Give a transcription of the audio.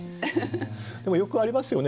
でもよくありますよね。